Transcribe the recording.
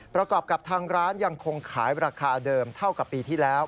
ประกอบกับทางร้านยังคงขายราคาเดิมเท่ากับปีที่แล้ว